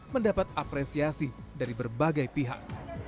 mendapat apresiasi dari berbagai pihak